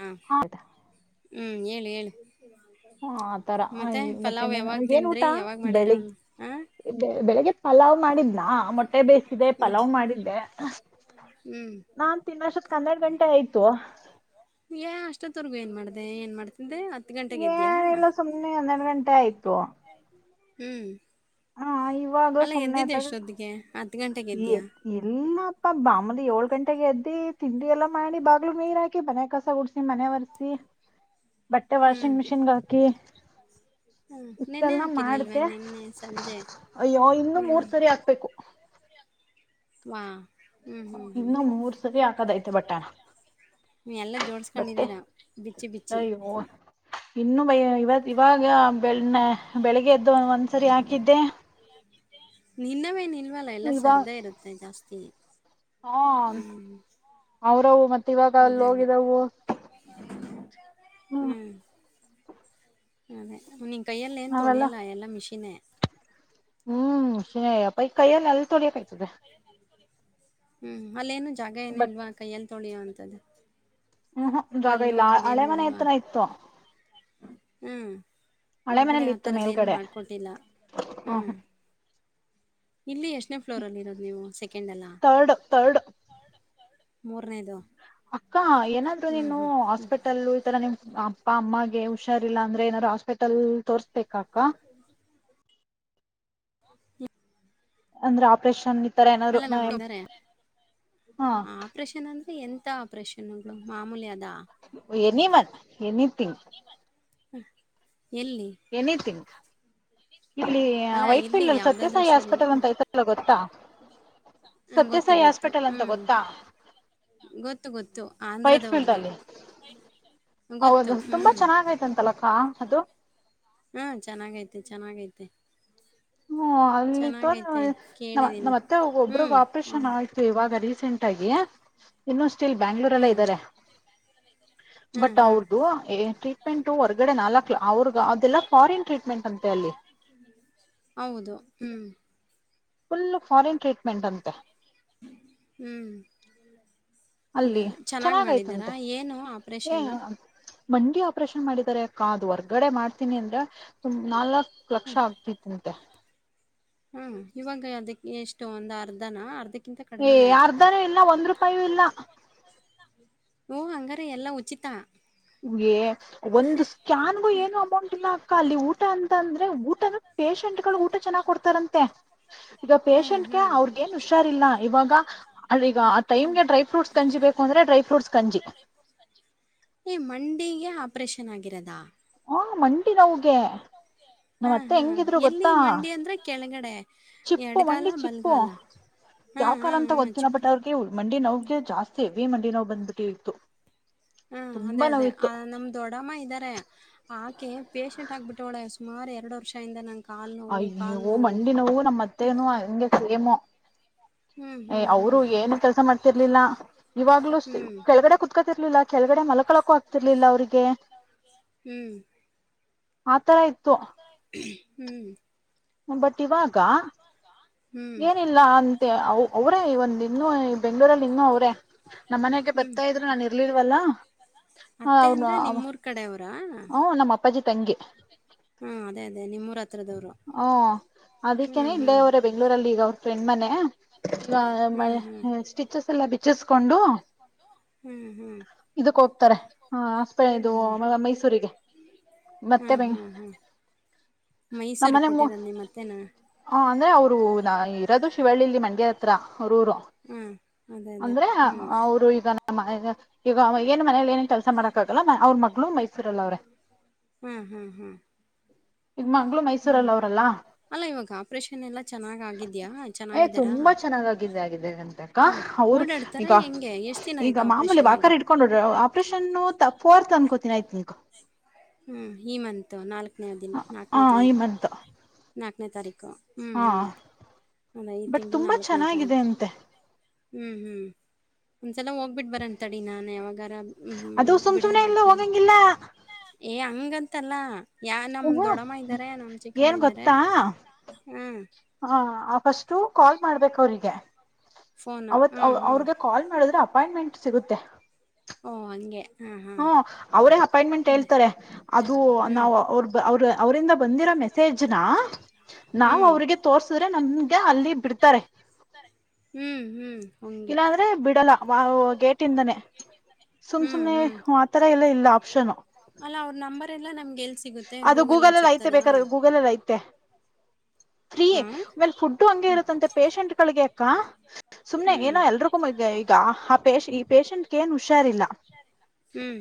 ಹಾ ಹ ಹ್ಮ್ ಹೇಳು ಹೇಳು ಹ ಆತರ ಮತ್ತೆ ಮತ್ತೇನ ಪಲಾವ್ ಯಾವಾಗ್ ಏನ್ ಊಟ ತಿಂದ್ರಿ ಯಾವಾಗ್ ಮಾಡಿರ ಬೆಳಿಗ್ ಒಂದು ಹ ಬೆಳಿಗ್ಗೆ ಪಲಾವ್ ಮಾಡಿದ್ದೆ ನಾ ಮೊಟ್ಟೆ ಬೇಯಿಸಿದ್ದೆ ಹ್ಞೂ ಪಲಾವ್ ಮಾಡಿದ್ದೆ ಹ್ಞೂ ನಾನ್ ತಿನೋಸ್ಟಿ ಹನ್ನೆರಡು ಗಂಟೆ ಆಯ್ತು ಅಷ್ಟೊತ್ತವರ್ಗೂ ಏನ್ ಮಾಡ್ದ ಏನ್ ಮಾಡ್ತ ಏನಿಲ್ಲ ಸುಮ್ನೆ ಒಂದೆರಡು ಗಂಟೆ ಆಯ್ತು ಹ್ಮ್ ಹ ಅಲ್ಲ ಎದ್ದಿದೆ ಎಷ್ಟೊತ್ತಿಗೆ ಆ ಈ ಇಲ್ಲಪ್ಪ ಮಮೂಲಿ ಏಳ್ ಗಂಟೆಗೆ ಎದ್ದಿ ತಿಂಡಿ ಎಲ್ಲಾ ಮಾಡಿ ಬಾಗ್ಲುೂ ನೀರ್ ಹಾಕಿ ಮನೆ ಕಸ ಗುಡಿಸಿ ಮನೆ ಒರ್ಸಿ ಬಟ್ಟೆ ವಾಷಿಂಗ್ ಮೆಷಿನ್ ಗೆ ಹಾಕಿ ಹ್ಮ ನಿನ್ನೇ ಇಷ್ಟೆಲ್ಲ ಹಾಕಿರ್ಲಿಲ್ವ ಮಾಡ್ದೆ ನಿನ್ನೇ ಸಂಜೆ ಅಯ್ಯೋ ಇನ್ನು ಹ್ಞೂ ಮೂರ್ ಸರಿ ಹಾಕ್ಬೇಕು ಹಾ ಇನ್ನು ಮೂರ್ ಸರಿ ಹಾಕದೈತೆ ಬಟ್ಟೇಣ ನೀ ಎಲ್ಲಾ ಜೋಡ್ ಸಿಡಿಕೋಡಿದೀರಾ ಬಿಚ್ಚಿ ಬಿಚ್ಚಿ ಅಯ್ಯೋ ಇನ್ನು ಬೈ ಇವತ್ ಇವಾಗ ಬೆಳ್ ಬೆಳಿಗ್ಗೆ ಎದ್ದು ಒಂದ್ಸರಿ ಹಾಕಿದ್ದೆ ನಿನ್ನವೇ ನಿಲ್ವಲ್ಲ ಎಲ್ಲ ಇವಾಗ ಸರ್ದೇ ಇರುತ್ತೆ ಜಾಸ್ತಿ ಹಾ ಹ್ಞೂ ಅವ್ರವು ಮತ್ತೆ ಇವಾಗ ಅಲ್ಲಿ ಅದೇ ಹೋಗಿದವು ಹ್ಮ್ ಅದೇ ನಿನ್ ಕೈಯಲ್ಲಿ ಏನ್ ಅವೆಲ್ಲ ತೊಳಿಯಲ್ಲ ಎಲ್ಲಾ ಮಿಶಿನ್ ಹ್ಮ್ ಶಿನೇಪ್ಪ ಕೈಯ್ಯಲ್ಲ ಎಲ್ಲಿ ತೊಳಿಯಕಾಯ್ತದೆ ಹ್ಮ್ ಅಲ್ಲೇನು ಜಾಗ ಏನು ಬಟ್ ಇಲ್ವಾ ಕೈಯ್ಯಲ್ಲಿ ತೊಳಿಯೋ ಅಂತದ್ದ ಹ್ಮ್ ಹ ಜಾಗ ಇಲ್ಲಾ ಹಳೆ ಮನೆ ಹತ್ತರ ಇತ್ತು ಹ್ಞ ಹಳೆ ಹೊರಗಡೆ ಮನೇಲಿ ಆ ಇತ್ತು ಥರದ್ದೇನುೂ ಮೇಲ್ಗಡೆ ಮಾಡಿಕೊಟ್ಟಿಲ್ಲ ಹ ಹಾ ಇಲ್ಲಿ ಎಷ್ಟನೇ ಫ್ಲೋರ್ ಅಲ್ಲಿ ಇರೋದು ನೀವು ಸೆಕೆಂಡ್ ಎಲ್ಲ ತರ್ಡ್ ತರ್ಡ್ ಮೂರನೇದು ಅಕ್ಕ ಏನಾದ್ರು ಹ್ಮ್ ನೀನು ಹ್ಮ್ ಹ್ಮ್ ಹಾಸ್ಪಿಟಲ್ ಈ ತರ ನಿಮ್ ಅಪ್ಪ ಅಮ್ಮಾಗಗೆ ಹುಷಾರಿಲ್ಲಾ ಅಂದ್ರೆ ಏನಾದಾರರು ಹಾಸ್ಪಿಟಲ್ ತೋರ್ಸ್ಬೇಕ ಅಕ್ಕಾ [unintelligible] ಅಂದ್ರೆ ಆಪ್ರೇಷನ್ ಇ ಅಲ್ಲ ನಮ್ಮರೆ ಹಾ ಆಪ್ರೇಷನ್ ಅಂದ್ರೆ ಎ ಎಂತಾ ಆಪ್ರೇಷನ್ ಗಳು ಮಾಮೂಲಿ ಆದ ಎನಿ ಒನ್ ಎನಿಥಿಂಗ್ ಹ್ಮ ಎನಿಥಿಂಗ್ ಇಲ್ಲಿ ಅಲ್ಲ ವೈಟ್ ಇಲ್ಲಿ ಫೀಲ್ಡ್ ಅಲ್ಲಿ ಯಾವ್ದಾದ್ರು ಸತ್ಯಸಾಯಿ ಸರಿ ಹಾಸ್ಪಿಟಲ್ ಅಂತ ಆಐತಲ್ಲ ಗೊತ್ತಾ ಹ ಗೊತ್ತು ಸತ್ಯಸಾಯಿ ಗೊತ್ತು ಹಾಸ್ಪಿಟಲ್ ಅಂತ ಹ್ಮ್ ಗೊತ್ತಾ ಗೊತ್ತು ಗೊತ್ತು ವೈಟ್ ಫೀಲ್ಡ್ ಆಂಧ್ರದವ್ರ್ದು. ಅಲ್ಲಿ ಹೌದು ತುಂಬಾ ಚೆನ್ನಾಗೈತಂತಲಕ್ಕ ಅದು ಹೂ ಚೆನ್ನಾಗೈತೆ, ಚೆನ್ನಾಗೈತೆ, ಹ್ಮ ಅಲ್ಲಿ ತ ಚೆನ್ನಾಗೈತೆ ನ ಕೇಳಿದೀನಿ. ನಮ್ಮತ್ತೆ ಒಬ್ರಗ್ ಹ್ಮ್. ಆಪರೇಷನ್ ಆಹ್, ಆಯತು ಇವಾಗ ರೀಸೆಂಟ್ ಆಗಿ ಇನ್ನೂಷ್ಟ್ಟೇಲ್ ಬ್ಯಾಂಗ್ಳೂರಲೇ ಹ್ಮ್. ಇದ್ದಾರೆ ಹ್ಮ್, ಬಟ್ ಹ್ಮ್. ಅವ್ರದು ಟ್ರೀಟ್ಮೆಂಟ್ ಹೊರ್ಗಡೆ ನಾಲ್ಕ ಅವ್ರ ಅದೆಲ್ಲ ಫಾರಿನ್ ಟ್ರೀಟ್ಮೆಂಟ್ ಅಂತೆ ಅಲ್ಲಿ ಹೌದು ಹ್ಮ್ ಫುಲ್ ಫಾರಿನ್ ಟ್ರೀಟ್ಮೆಂಟ್ ಅಂತೆ ಹ್ಮ್. ಅದೇ ಅಲ್ಲಿ ಅದೇ. ಚೆನ್ನಾಗ್ ಮಾಡಿದ್ದಾರಾ? ಚೆನ್ನಾಗಯ್ತಂತೆ ಏನು ಏನ್ ಆಪ್ರೇಷನ್ನು? ಮಂಡಿ ಆಪರೇಷನ್ ಮಾಡಿದ್ದಾರೆ ಅಕ್ಕಾ ಅದು ಹೊರ್ಗಡೆ ಮಾಡ್ತೀನಿ ಅಂದ್ರೆು ನಾಲ್ಕ ಲಕ್ಷ ಆಗ್ತಿತ್ ಅಂತೆ ಹ್ಮ್ ಇವಾಗ ಅದಕ್ಕೆ ಎಷ್ಟು ಒಂದ್ ಅರ್ಧನ ಅರ್ಧಕ್ ಏ ಅರ್ಧನೂ ಇಲ್ಲಾ ಒಂದ್ ರೂಪಾಯ ಇಲ್ಲಾ. ಓ ಹಂಗಾರ ಎಲ್ಲಾ ಉಚಿತಾ ಹೇ ಒಂದು ಸ್ಕ್ಯಾನ್ ಗೂ ಏನು ಅಮೌಂಟ್ ಇಲ್ಲಾ ಅಲ್ಲಿ ಊಟ ಅಂತ ಅಂದ್ರೆ ಊಟನ ಪೇಶೆಂಟ್ ಗಳು ಊಟ ಚೆನ್ನಾಗ್ ಕೊಡ್ತಾರಂತೆ ಈಗ ಹ್ಮ್, ಪೇಶಷೆಂಟ್ ಗೆ ಹ್ಮ್, ಅವ್ರಗ ಏನ್ ಹುಷಾರಿಲ್ಲ ಇವಾಗ ಈಗ ಆ ಟೈಮ್ ಹ್ಮ್. ಗೆ ಡ್ರೈ ಫ್ರೂಟ್ಸ್, ಗಂಜಿ, ಬೇಕು ಅಂದ್ರೆ ಡ್ರೈ ಫ್ರೂಟ್ಸ್ ಕಂಜಿ ಏ ಮಂಡಿಗೆ ಆಪರೇಷನ್ ಆಗಿರೋದಾ ಹೂ ಮಂಡಿ ನೋವಗೆ ಹಾ, ನಮ್ಮತ್ತೆ ಹಾ. ಹೆಂಗಿದ್ರು ಎಲ್ಲಿ ಗೊತ್ತಾ ಮಂಡಿ ಅಂದ್ರೆ ಕೆಳಗಡೆ ಚಿಪ್ಪು ಎಡಗಾಲ, ಮಂಡಿ ಚಿಪ್ಪು ಬಲಗಾಲ? ಹಾ, ಯಾವ ಹಾ, ಕಾಲ ಅಂತ ಹಾ. ಗೊತ್ತಿಲಾ ಚಿಪ್ಪು ಬಟ್ ಅವ್ರಿಗೆ ಮಂಡಿ ನೋಗೆ ಜಾಸ್ತಿ ಹೆವಿ ಮಂಡಿ ನೋವು ಬಂದ್ಬಿಟ್ಟಿ ಇತ್ತು ಹಾ ಅದೇ ತುಂಬಾ ಅದೇ ನೋವಿತ್ತು ಆ ನಮ್ ದೊಡ್ಡಮ್ಮ ಇದ್ದಾರೆ, ಆಕೆ ಪೇಶಷೆಂಟ್ ಆಗ್ಬಿಟ್ಟವಳೇ ಸುಮಾರು ಎರಡು ವರ್ಷಿಂದ ನ ಅಯ್ಯವು ಮಂಡಿನವು ನಮ್ಮ್ ಅತ್ತೇನ ಹಂಗೆ ಸೇಮು ಹೂ ಏ ಅವ್ರು ಏನು ಕೆಲಸ ಮಾಡ್ತಿರ್ಲಿಲ್ಲ ಇವಾಗ್ಲೂ ಹ್ಮ್ ಕೆಳಗಡೆ ಕುೂತ್ಕತಿರ್ಲಿಲ್ಲ ಕೆಳಗಡೆ ಮಲಕಳ ಕು ಆಗ್ತಿರ್ಲಿಲ್ಲ ಅವ್ರಿಗೆ ಹೂ ಆತರ ಇತ್ತು ಹೂ ಬಟ್ ಇವಾಗ ಹ್ಮ್ ಏನಿಲ್ಲ ಅಂತೆ ಅವರೇ ಒಂದ ಇನ್ನುೂ ಬೆಂ್ಗಳೂರಲ್ಲಿ ಇನ್ನೂ ಅವ್ರೇ ನಮ್ಮ್ನೆಾಗ ಹ್ಮ್ ಬರ್ತಾ ಇದ್ರು ನಾನ್ ಇರ್ಲಿಲ್ವಲ್ಲ ಅತ್ತೆ ಅವ್ನು ಅಂದ್ರೆ ನಿಮ್ಮೂರ್ ಕಡೆ ಅವ್ರಾ ಹ ನಮ್ಮ ಅಪ್ಪಾಜಿ ತಂಗಿ ಹೂ ಅದೇ ಅದೇ ನಿಮ್ಮೂರ ಹತ್ರದವರು ಹಓ ಅದಕ್ಕೇನೆ ಹ್ಮ್ ಇಲ್ಲೇ ಹ್ಮ್ ಅವರ ಬೆಂಗ್ಳೂರಲ್ಲಿ ಈಗ ಅವ್ರ ಫ್ರೆಂಡ್ ಮನೆ ಮೆ ಹ್ಮ್ ಹ್ಮ್ ಸ್ಟಿಚಸ್ ಎಲ್ಲ ಬಿಚ್ಚಿಸಕೊಂಡು ಹ್ಮ್ ಹ್ಮ್ ಇದುಕೆ ಹೋಗ್ತಾರೆ ಹ ಆಸ್ಪ ಇದು ಹ್ಮ್ ಮೈಸೂರಿಗೆ ಹಾ ಮತ್ತೆ ಬೆಂಗ ಹಾ ಹಾ ಮೈ ಹ ನಮ್ಮನೆ ಅಂದ್ರೆ ಅವರು ಇರೋದು ಶಿವಳ್ಳಿಲ್ಲಿ ಮಂಡ್ಯ ಹತ್ರ ಅವ್ರೂರು ಹಾಂ ಅದೇ ಅದೇ ಅಂದ್ರೆ ಹ್ಞೂ ಅವರು ಈಗ ನಮ್ಮ ಈಗ ಏನ್ ಮನೇ ಏನ ಕೆಲಸ ಮಾಡಕ್ಕಗಲ್ಲ ಅವ್ರ ಮಗಳು ಮೈ ಹೂ ಹೂ ಹೂ ಈಗ ಮಂಗ್ಳೂ ಮೈಸೂರಲ್ಲಿ ಅವ್ರಲ್ಲಾ ಅಲ್ಲ ಇವಾಗ ಆಪ್ರೇಷನ್ ಎಲ್ಲ ಚೆನ್ನಾಗ್ ಆಗಿದ್ಯಾ ಏ ಚೆನ್ನಾಗಿದ್ದಾರಾ ತುಂಬಾ ಚೆನ್ನಾಗಗಿದ್ದ ಆಗಿದ್ದ ಅಂತಕ್ಕ ಹ್ಮ್ ಅವ ಓಡಾಡ್ತಾರಾ ಈಗ ಹೆಂಗೆ ಎಷ್ಟ್ ದಿನ ಈಗ ಆಯ್ತು ಮಾಮೂಲಿ ಆಪ್ರೇಷನ್ ವಾಕರ್ ಆಗಿ ಇಟ್ಕೊಂಡ್ ಹೋಡ್ರ ಆಪರೇಷನ್ ಫತ್ ಅನ್ಕೋ ಹೂ ಈ ಮಂತ್ ನಾಲ್ಕು ಹ ಈ ಮಂತ್ ನಾಲ್ಕನೇ ತಾರೀಕು ಹೂ ಹಾ ಮತ್ತು ಅಂದ ಈ ಬಟ್ ತಿಂಗಳು ತುಂಬಾ ನಾಲ್ಕನೇ ಚೆನ್ನಾಗಿದೆ ತಾರೀಕು ಅಂತೆ ಹೂ ಹೂ ಚಲ ಹೋಗ್ಬಿಟ್ಟ ಬರಂತಡಿ ನಾನ ಯಾವಾಗಾರ ಅದು ಸುಮ್ ಬಿಡುವ ಸುಮ್ನೆ ಎಲ್ಲ ಮಾಡ್ಕೊಂಡ ಹೋಗಂಗಿಲ್ಲ ಏ ಹಂಗಂತಲ್ಲ ಯಾ ನಮ ಹ್ಮ ದೊಡಮ್ಮ ಇದ್ದಾರೆ ನಮ ಚಿಕ್ಕಮ್ಮ ಏನ್ ಇದ್ದಾರೆ ಗೊತ್ತಾ ಹಾ ಹ ಫಸ್ಟು ಕಾಲ್ ಮಾಡ್ಬೇಕ ಅವ್ರಿಗೆ ಫೋನು ಹಾಂ ಹಾಂ ಅವ್ರಿಗೆ ಕಾಲ್ ಮಾಡಿದ್ರೆ ಅಪಾಯಿಂಟ್ಮೆಂಟ್ ಸಿಗುತ್ತೆ ಓ ಹಂಗೆ ಹಾಂ ಹಾಂ ಹೂ ಅವರೇ ಅಪಾಯಿಂಟ್ಮೆಂಟ್ ಹೇಳ್ತಾರೆ ಅದು ಹ್ಞೂ ನಾವು ಅವ್ರ ಅವ್ರ ಅವರಿಂದ ಬಂದಿರ ಮೇ ಮೆಸೇಜ್ನ ನಾವ ಹ್ಞೂ ಅವ್ರಿಗೆ ತೋರ್ಸುದ್ರೆ ನಮಗೆ ಅಲ್ಲಿ ಬಿಡ್ತಾರೆ ಹೂ ಇಲ್ಲಾ ಅಂದ್ರೆ ಬಿಡಲ್ಲ ಗೇಟಿಂದಾನೇ ಸುಮ್ ಹ್ಮ್ ಸುಮ್ನೆ ಹ್ಮ್ ಆತರ ಎಲ್ಲ ಇಲ್ಲ ಆಪ್ಷನು ಅಲ್ಲ ಅವ್ರ ನಂಬರ್ ಎಲ್ಲಾನ ಅದು ಗೂಗಲ್ ಎಲ್ಲಿ ಐತೆ ಬೇಕಾದ ಗೂಗಲ್ ಎಲ್ಲಿ ಐತೆ ಫ್ರೀ ಹಾಂ ಆಮೇಲ್ ಫುಡ್ಡು ಹಂಗೆ ಇರುತ್ತಂತೆ ಪೇಶೆಂಟ್ಗಳಿಗೆ ಅಕ್ಕಾ ಸುಮ್ನೆ ಹ್ಮ್ ಏನೋ ಎಲ್ರಿಗೂ ಈಗ ಆ ಪ ಈ ಪೇಷಂಟ್ ಏನ್ ಹುಷಾರಿಲ್ಲ ಹ್ಮ್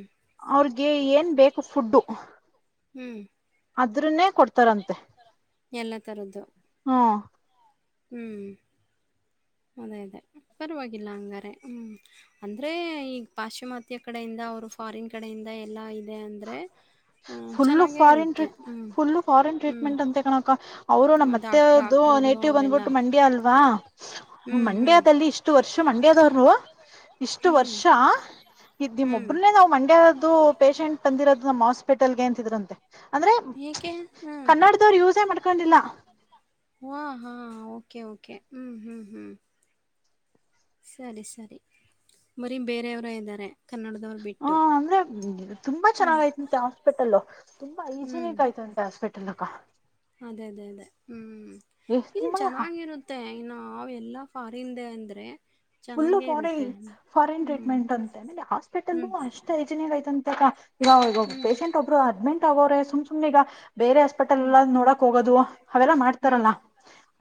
ಅವ್ರಿಗೆ ಏನ್ ಬೇಕು ಫುಡ್ಡು ಹೂ ಆದ್ರನ್ನೇ ಕೊಡ್ತಾರಂತೆ ಎಲ್ಲ ತರದ್ದು ಹಾ ಹೂ ಹ ಅದೇ ಅದೇ ಪರವಾಗಿಲ್ಲ ಹಂಗಾರೆ ಹೂ ಅಂದರೆ ಈಗ ಪಾಶ್ಚಿಮಾತ್ಯ ಕಡೆಯಿಂದ ಅವ್ರು ಫಾರಿನ್ ಕಡೆಯಿಂದ ಎಲ್ಲಾ ಇ ಫು ಫಾರಿನ್ ಇರುತ್ತೆ ಹ್ಮ್ ಫುಲ್ ಫಾರಿನ್ ಹ್ಮ್ ಟ್ರೀಟ್ಮೆಂಟ್ ಅಂತೆ ಕಣಕ ಅವರು ನಮ್ಮ ಮತ್ತೆ ಡಾಕ್ ಅವರದು ಡಾಕ್ಟ್ರುಗಳು ನೇಟಿವ್ ಅವರೆಲ್ಲ ಬಂದ್ಬಿಟ್ಟು ಮಂಡ್ಯ ಅಲ್ವಾ ಹ್ಮ್ ಹ್ಮ್ ಮಂಡ್ಯದಲ್ಲಿ ಇಷ್ಟು ವರ್ಷ ಮಂಡ್ಯದವರು ಇಷ್ಟು ಹ್ಮ್ ವರ್ಷ ಇದ ನಿಮ್ಮ ಹ್ಮ್ ಒ್ರನೇ ನಾ ಮಂಡ್ಯ ಅದು ಪೇೇಶೆಂಟ್ ತಂದಿರೋದು ನಮ್ಮ್ ಹಾಸ್ಪಿಟಲ್ ಗೆ ಅಂತಿದ್ರಂತೆ ಅಂದ್ರೆ ಏಕೆ ಹ್ಮ್ ಕನ್ನಡದವ್ರು ಯೂಸೇ ಮಾಡ್ಕೊಂಡಿಲ್ಲ ಹ್ಮ್ ಹಾ ಓಕೆ ಓಕೆ ಓಕೆ ಹ್ಮ್ ಹ್ಮ್ ಹ್ಮ್ ಸರಿ ಸರಿ ಮರೀ ಬೇರೆಯವರ ಇದ್ದಾರೆ ಅವರ್ಬಿಟ್ಟು ಅಂದ್ರ ತುಂಬ ಚೆನ್ನಾಗಯತಂತೆ ಹಾಸ್ಪಿಟಲ್ ತುಂಬಾ ಹ್ಮ್. ಹೈಜಿನಿಕ್ ಆಯತಂತೆ ಹಾಸ್ಪಿಟಲ್ ಇಲ್ಲಕ್ಕಾ ಅದೇ ಅದೇ ಅದೇ ಹ್ಮ್ ಇಲ್ಲಿ ತುಂಬಾ ಚೆನ್ನಾಗಿರುತ್ತೆ ಇನ್ನು ನಾವೆಲ್ಲ ಫಾರಿಂದ ಅಂದರೆ ಫುಲ್ಲು ಫನ್ ಫಾರಿನ್ ಹ್ಮ್. ಟ್ರೀಟ್ಮೆಂಟ್ ಅಂತೇಲೆ ಹಾಸ್ಪಿಟಲ್ ಹ್ಮ್, ಅಷ್ಟ ಯೋಜನ ಒಂತರ ಈಗಾಗ ಈಗಬ್ ಹ್ಮ್, ಪೇಶಷಂಟ್ ಒಬ್ಬರು ಅಡ್ಮಿಂಟ್ ಆಗೋ್ರೆ ಸುಮ್ ಸು್ನೆ ಈಗ ಬೇರೆ ಹಾಸ್ಪೆಟಲ್ ಎಲ್ಲ ನೋಡಕ್ ಹೋಗೋದು ಅವೆಲ್ಲ ಹ್ಮ್, ಮಾಡ್ತಾರಲ್ಲ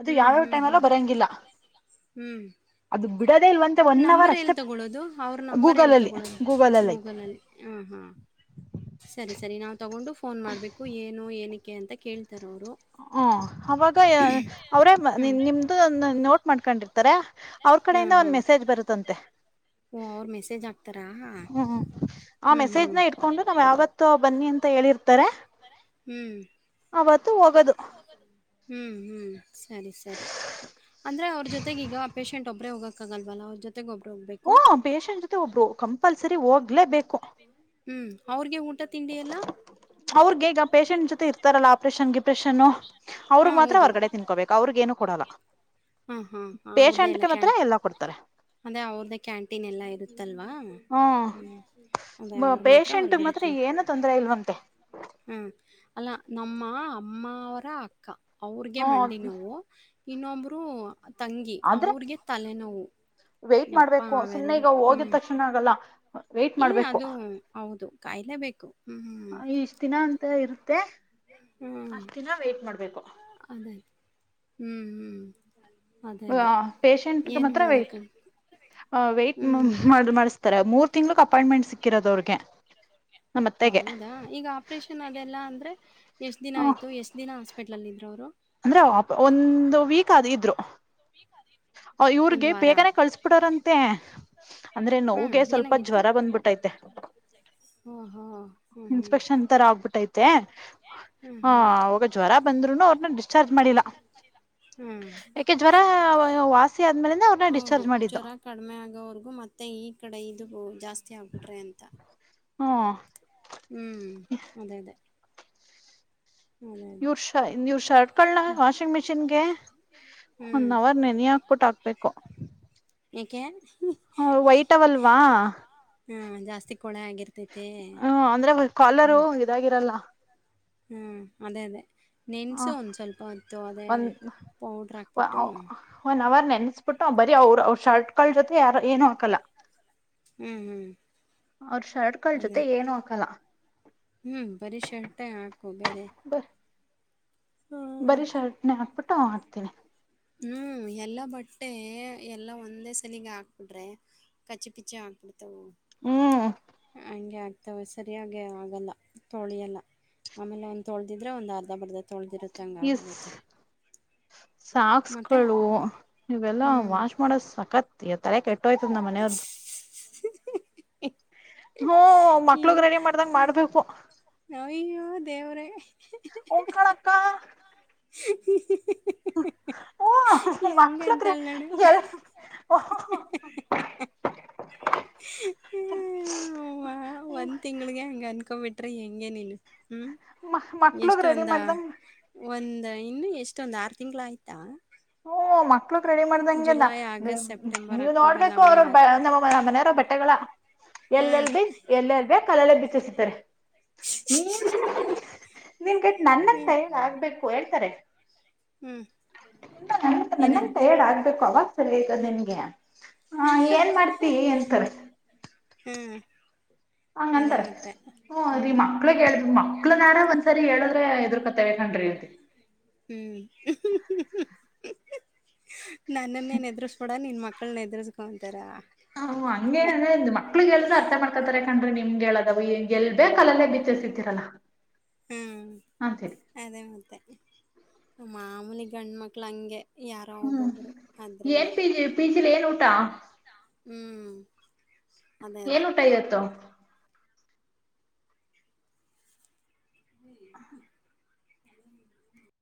ಅದು ಹ್ಮ್, ಯಾವ್ಯಾವ ಹ್ಮ್, ಹ್ಮ್, ಟೈಮ್ಲ್ಲ ಹ್ಮ್, ಬರಂಗಿಲ್ಲ [inaudible] ಹ್ಮ್ ಅದು ಬಿಡೋದೇ ಇಲ್ವಂತೆ ಒನ್ ಅವರ್ ನಂಬರ್ ಅಷ್ಟೇ ಎಲ್ಲಿ ತಗೊೊಳ್ಳೋದು ಅವ್ರ ನಂಬರ್ ಗೂಗಲ್ ಎಲ್ಲಿ ಅಲ್ಲಿ ತಗೊೊಳ್ಳೋದು ಗೂಗಲ್ ಅಲ್ಲಿ ಐತೆ ಗೂಗಲಲ್ಲಿ ಹ ಹಾ ಸರಿ ಸರಿ ನಾವ್ ತಗೊಂಡು ಫೋನ್ ಮಾಡ್ಬೇಕು ಏನು ಏನಕ್ಕೆ ಅಂತ ಕೇಳ್ತ ಹ ಅವಾಗ ಅವರೇ ನಿಮ್ದು ನೋಟ್ ಮಾಡ್ಕೊಂಡಿರ್ತ ಅವ್ರ ಹಾಂ ಕಡೆಯಿಂದ ಒಂದ್ ಹಾಂ ಮೆಸೇಜ್ ಬರುತ್ತಂತೆ ಓ ಅವ್ರು ಮೆಸೇಜ್ ಹಾಕ್ತಾರಾ ಹ್ಮ್ ಆ ಹ್ಞೂ ಹ್ಞೂ ಮೆಸೇಜ್ನ ಇಟ್ಕೊಂಡು ನಾವ್ ಯಾವತ್ತ ಬನ್ನಿ ಅಂತ ಹೇಳಿರ್ತಾರೆ ಹ್ಮ್ ಅವತ್ತು ಹೋಗೋದು ಹ್ಮ್ ಹ್ಮ್ ಸರಿ ಸರಿ ಅಂದ್ರೆ ಅವ್ರ ಜೊತೆಗೆ ಈಗ ಆ ಪೇಷಂಟ್ ಒಬ್ಬರೇ ಹೋಗೋಕ್ಕಾಗಲ್ವಲ್ಲ ಅವ್ರ ಜೊತೆ ಹಓ ಪೇಷಂಟ್ ಜೊತೆ ಒಬ್ರು ಕಂಪಲ್ಸರಿ ಹೋಗ್ಲೇಬೇಕ ಹ್ಮ್ ಅವ್ರಿಗೆ ಊಟ ತಿಂಡಿ ಎಲ್ಲ ಅವ್ರಗ ಈಗ ಪೇಷೆಂಟ್ ಜೊತೆ ಇರ್ತಾರಲ್ಲಾ ಆಪ್ರೇಷನ್ ಡಿಪ್ರೆಷನ್ ಹಾ ಅವ್ರಗ್ ಮಾತ್ರ ಹೌದು ಹೊರ್ಗಡೆ ತಿನ್ಕೋಬೇಕು ಅವ್ರಿಗೆ ಏನು ಕೊಡಲ್ಲ ಹಾ ಹಾ ಅವ್ರ್ದೇ ಎಲ್ಲ ಪೇಶೆಂಟ್ಗೆ ಮಾತ್ರ ಎಲ್ಲಾ ಕೊಡ್ತಾರೆ ಅದೇ ಅವ್ರದ್ದ ಕ್ಯಾಂಟೀನ್ ಎಲ್ಲಾ ಇರುತ್ತೆ ಅಲ್ವಾ ಹ್ಮ ಅದ ಅವರು ಮಾತ್ರ ಪೇಶೆಂಟ್ ಮಾತ್ರ ಹೊರ್ಗಡುತ್ತೇ ಏನು ತೊಂದರೆ ಇಲ್ವಂತೆ ಹ್ಮ್ ಅಲ್ಲ ನಮ್ಮ ಅಮ್ಮವರ ಅಕ್ಕ ಅವ್ರಿಗೆ ಹ ಮಂಡಿ ನೋವು ಇನ್ನೊಬ್ಬರು ತಂಗಿ ಆದ್ರೆ ಅವ್ರಿಗೆ ತಲೆನೋವು ವೇಟ್ ಅಪ್ಪ ಮಾಡ್ಬೇಕು ಸುಮ್ನೆ ಅವೆರಡು ಈಗ ಹೋಗಿದ ಹ್ಞೂ ತಕ್ಷಣ ಆಗಲ್ಲ ವೇಟ್ ಏ ಮಾಡ್ಬೇಕು ಅದು ಹೌದು ಕಾಯಲೆೇ ಬೇಕು ಹ್ಮ್ ಹ್ಮ್ ಇಷ್ಟ ದಿನ ಅಂತ ಇರುತ್ತೆ ಹ್ಮ್ ಅಷ್ಟ ದಿನ ವೇಟ್ ಮಾಡ್ಬೇಕು ಅದೇ ಹ್ಮ್ ಹ್ಮ್ ಅದೇ ಹ ಅದೇ ಪಷಂಟ್ಗೆ ಏನು ಮಾತ್ರ ಮಾಡಕ ವೈಟ್್ ವೇಟ್ ಹ್ಮ್ ಮಾಡಿಸ್ತಾರೆ ಮೂರ್ ತಿಂಗಳಕ್ ಅಪಾಯಿಂಟ್ಮೆಂಟ್ ಸಿಕ್ಕಿರೋದು ಅವ್ರಿಗೆ ನಮ್ಮ ಅತ್ತೆಗೆ ಹೌದಾ ಈಗ ಆಪರೇಷನ್ ಆಗಲ್ಲ ಅಂದ್ರೆ ಎಷ್ಟ್ ದಿನ ಹ ಆಯ್ತು ಎಷ್ಟ್ ದಿನ ಹಾಸ್ಪಿಟ್ಲ್ ಎಲ್ಲಿ ಇದ್ರ ಅವರು ಅಂದ್ರೆ ಒಂದು ವೀಕ್ ಆದ ಇದ್ರು ಒಂದು ಇವ್ರಗೆ ವಾರ ಬೇಗನೆ ಕಳ್ಸ್ಬಿಡಾರಂತೆ ಅಂದ್ರೆ ಹಾ ನೋಗೆ ಸ್ವಲ್ಪ ಏನಾಗಿತ್ತು ಜ್ವರ ಬಂದ್ಬಿಟ್ಟೈತೆ ಹಾ ಹಾ ಹಾ ಹಾ ಮತ್ತೆ ಹ ಅವಾಗ ಜ್ವರ ಬಂದ್ರುನು ಅವ್ರನ್ನ ಡಿಸ್ಚಾರ್ಜ್ ಮಾಡಿಲ್ಲ ಹ್ಮ್ ಯಾಕೆ ಜ್ವರ ವಾಸಿ ಆದ್ಮೇಲೆ ಅವ್ರನ್ನ ಹೌದು ಡಿಸ್ಚಾರ್ಜ್ ಮಾಡಿದ್ದು ಜ್ವರ ಕಡಿಮೆ ಆಗೋವರ್ಗೂ ಮತ್ತೆ ಈ ಕಡೆ ಇದು ಹೋುದು ಮತ್ತೆ ಆಗ್ಬಿಡ್ರೆ ಅಂತ ಹಾ ಹ್ಮ್ ಅದೇ ಅದೇ ಅದೇ ಅದೇ ನೀವರು ಶ ನೀವ್ ಶರ್ಟ್ಕೊಳ್ಳಣ ವಾಷಿಂಗ್ ಮಿಷಿನ್ಗೆ ಒಂದ ಹ್ಮ್ ಅವರ್ ನೆನಿಯಕ್ ಬಿಟ್ ಹಾಕ್ಬಿಟ್ಟ ಹಾಕ್ಬೇಕು ಏಕೆ ಹ್ಮ ವೈತವಲ್ವ ಅವಲ್ವಾ ಹಾ ಜಾಸ್ತಿ ಕೊಳೆ ಆಗಿರ್ತೈತಿ ಹ್ಮ ಅಂದ್ರೆ ಕಾಲರು ಇದಾಗಿರಲ್ಲ ಹ್ಮ್ ಅದೇ ಅದೇ ಹ ನೆನ್ಸು ಒಂದ್ ಸ್ವಲ್ಪ ಇತ್ತು ಅದೇ ಒಂದ್ ಪೌಡ್ರ ಹಾಕ್ಬಿಟ್ಟು ನೆನಸ್ಬಿಟ್ಟು ಬರೀ ಅವ್ರ ಅವ್ರ ಶರ್ಟ್ ಕಾ ಜೊತೆ ಯಾರ ಏನು ಹಾಕಲ್ಲ ಹ್ಮ್ ಹ್ಮ್ ಅವ್ರ ಶರ್ಟ್ಕಗಳ ಜೊತೆ ಅದೇ ಏನು ಹಾಕಲ್ಲ ಹ್ಮ್ ಬರೀ ಶರ್ಟ ಹಾಕು ಬೇರೆ ಬ ಹ್ಮ್ ಬರೀ ಶರ್ಟ್ನ ಆಕ್ಬಿಟ್ಟು ಅವ ಆಡ್ತೀನಿ ಹ್ಮ್ ಎಲ್ಲಾ ಬಟ್ಟೆ ಎಲ್ಲಾ ಒಂದೇ ಸಲಿಗೆ ಹಾಕ್ಬಿಡ್ರೆ ಕಚ್ಚಿ ಪಿಚ್ಚಿ ಹಾಕ್ಬಿಡ್ತ ಹಂಗೆ ಮ ಸರಿಯಾಗಿ ಆಗಲ್ಲ ತೊಳಿಯಲ್ಲ ಆಮೇಲೆ ಒಂದ ತೊಳ್ದಿದ್ರೆ ಒಂದ್ ಅರ್ಧ ಬರ್ಧ ತೊಳೆದಿರುತ್ತೆಂಗೆ ಈ ಆದತೆ ಸಾಕ್ಸ್ಗಳು ಇವೆಲ್ಲಾ ಹ್ಮ್ ವಾಶ್ ಮಾಡೋ ಸಕತ್ ತಲೆ ಕ ೋಯ್ತದ ನಮ್ಮ ಮನೆಯವರದ [unintelligible] ಹ್ಮ ಮಕ್ಳಗ್ ರೆಡಿ ಮಾಡ್ದಂಗ ಇವ ಮಾಡ್ಬೇಕು ಅಯ್ಯೋ ದೇವ್ರೇ ಹ್ಮ್ ಕಣಕ್ಕ [inaudible] ಓ ಮಕ್ಳತ್ ಹೆಂಗಂತಳ್ ನೋಡು ಹ ಅವ್ವ ಒಂದ್ ತಿಂಗ್ಗೆ ಹಂಗ ಅನ್ಕೊಬ ಬಿಟ್ರಿ ಹೆಂಗೇನಲ್ ಹ್ಮ್ ಮಕ್ಳಗ್ ಎಷ್ಟ ರೆಡಿ ಒಂದ ಮಾಡ್ದಂಗ ಒಂದ್ ಇನ್ನು ಎಷ್ಟ ಇತ್ತೊಂದು ಆರು ತಿಂಗಳು ಆಯ್ತಾ ಹ್ಮ ಮಕ್ ಮಕ್ಳಗ್ ರೆಡಿ ಮಾಡ್ದಂಗೆನ ಜುಲೈ ಆಗಸ್ಟ್ ಸೆಪ್ಟೆಂಬರ್ ನೀವ್ ಅಕ್ಟೋಬರ್ ನೋಡ್ಬೇಕು ಅವ್ರವ ನವೆಂಬರ್ ನಮ್ಮ ಮನೆಯರ ಬ ಬೆಟ್ಟೆಗಳ ಹಾ ಎಲ್ಲೆಲ್ ಬೀ ಎಲ್ಲೆಲ್ ಬ ಕಲ್ಲಲೆ ಬೀಚ್ಸತಾರೆ ನೀನ್ ನಿನ್ಗಟ್ ಹ್ಮ ನನ್ನಂತ ಆಗ್ಬೇಕು ಹೇಳ್ತಾರೆ ಹ್ಮ್ ಇ ನ ನಂದನ್ ಏನಂತ ಟಯಾರ್ಡ್ ಆಗ್ಬೇಕು ಅವಾಗ ಸರಿ ಆಯತದೆ ನಿನ್ಗೆ ಹಾ ಏನ್ ಮಾಡ್ತಿ ಎಂತಾರೆ ಹ್ಮ್ ಅದೇ ಹಂಗಂತಾರೆ ಮತ್ತೆ ಹ್ಮ ಅ ರೀ ಹ್ಮ್ ಮಕ್ಳು ಹೇಳ ಮಕ್ಳ ನಾರ ಒಂದ ಸರಿ ಹೇಳದ್ರೆ ಎದು್ರಕತೇವೆ ಕನ್್ರಿ ಅಂತ ಹ್ಮ್ ನನ್ನನ್ನೇ ನ ಎದ್ರಿಸಬಿಡ ನಿನ್ ಮಕ್ಕ ಮಕ್ಕಳನ್ನ ಎದುರಿಸಸ್ಕೊಂತಾರ ಹಾ ಹಂಗೇಏನಂದ್ರೆ ಮಕ್ಳಿಗೆ ಎಲ್ದ ಅರ್ಥ ಮಾಡ್ಕತಾರೆಾಕಂಡ್ರೆ ನಿಮ್ಗೆ ಹೇಳದ ಎಲ್ ಬೇಕಲ್ಲಲ್ಲೇ ಬಿತ್ತಿಸಿದ್ದೀರಲ್ಲ ಹ್ಮ್ ಅದೇ ಮತ್ತೆ ಮಾಮೂಲಿ ಗಂಡ್ಮಕ್ಳ ಹಂಗೆ ಯಾರೋ ಹ್ಮ್ ಒಬ್ಬೊಬ್ರು ಏನ್ ಅದರಲ್ಲಿ ಪಿ ಜಿ ಪಿ ಜಿಲಿ ಏನ್ ಊಟ ಹ್ಮ್ ಅದೇ ಏನ್ ಅದೇ ಊಟ ಇವತ್ತು [inaudible]